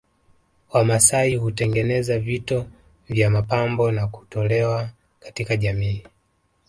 Wamasai hutengeneza vito vya mapambo na kutolewa katika jamii